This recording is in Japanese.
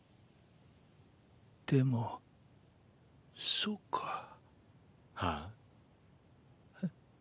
でもそうか。は？